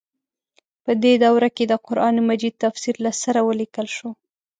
په دې دوره کې د قران مجید تفسیر له سره ولیکل شو.